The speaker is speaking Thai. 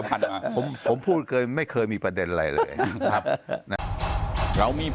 ผมไม่เกี่ยวแล้ว